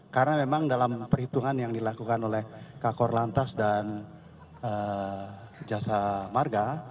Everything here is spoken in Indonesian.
karena memang dalam perhitungan yang dilakukan oleh kakor lantas dan jasa marga